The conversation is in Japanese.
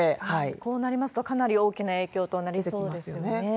こうなりますと、かなり大きな影響となりそうですよね。